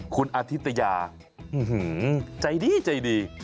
คุณอธิตยาใจดีใจดี